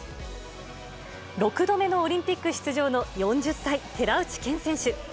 ６度目のオリンピック出場の４０歳、寺内健選手。